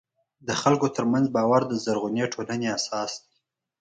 د خلکو ترمنځ باور د زرغونې ټولنې اساس دی.